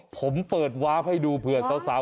ผมเปิดวาร์คให้ดูเพื่อนเท่าสาว